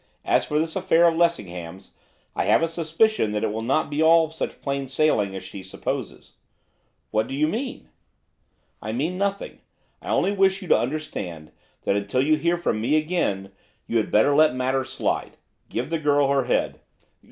As for this affair of Lessingham's, I have a suspicion that it may not be all such plain sailing as she supposes.' 'What do you mean?' 'I mean nothing. I only wish you to understand that until you hear from me again you had better let matters slide. Give the girl her head.